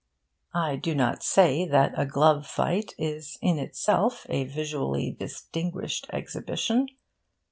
I do not say that a glove fight is in itself a visually disgusting exhibition.